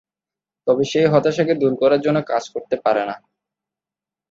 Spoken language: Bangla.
তবে সেই হতাশাকে দূর করার জন্য কাজ করতে পারে না।